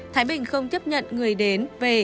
thái bình không tiếp nhận người đến về